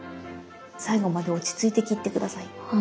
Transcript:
最後まで落ち着いて切って下さい。